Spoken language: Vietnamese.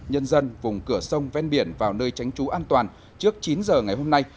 nhân dân vùng cửa sông ven biển vào nơi tránh trú an toàn trước chín giờ ngày hôm nay